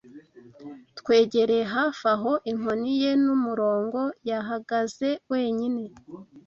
twegereye Hafi aho inkoni ye n'umurongo Yahagaze wenyine;